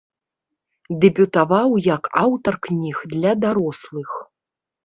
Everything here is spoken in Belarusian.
Дэбютаваў як аўтар кніг для дарослых.